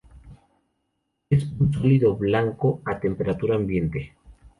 Es un sólido blanco a temperatura ambiente.